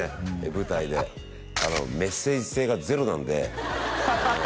舞台でメッセージ性がゼロなんでええ